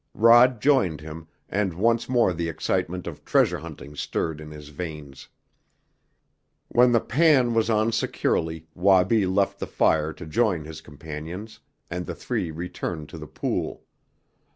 Rod joined him, and once more the excitement of treasure hunting stirred in his veins. When the pan was on securely Wabi left the fire to join his companions, and the three returned to the pool.